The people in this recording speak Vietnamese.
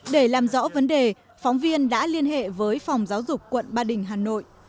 để làm rõ vấn đề phóng viên đã liên hệ với phòng giáo dục quận ba đình hà nội